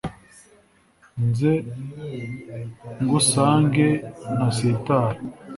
nze ngusange ntasitara